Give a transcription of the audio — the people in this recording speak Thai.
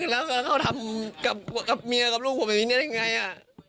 แล้วก็เขาทำกับเมียกับลูกผมแบบนี้ได้ยังไง